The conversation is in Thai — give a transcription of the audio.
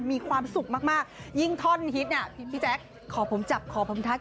มีความสุขมากยิ่งท่อนฮิตพี่แจ๊คขอผมจับขอพรมทัก